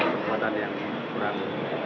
kekuatan yang kurang